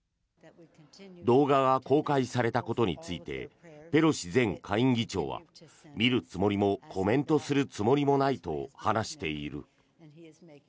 動画が公開されたことについてペロシ前下院議長は見るつもりもコメントするつもりもないと話している。